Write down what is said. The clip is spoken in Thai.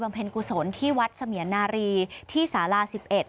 เพลงกุศลที่วัดเสมียนารีที่สาลา๑๑